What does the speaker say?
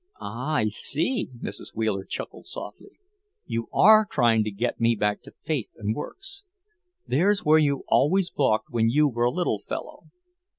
"Ah, I see!" Mrs. Wheeler chuckled softly. "You are trying to get me back to Faith and Works. There's where you always balked when you were a little fellow.